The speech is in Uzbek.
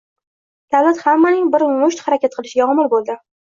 davlat – hammaning bir musht bo‘lib harakat qilishiga omil bo‘ldi